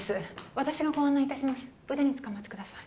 私がご案内いたします腕につかまってください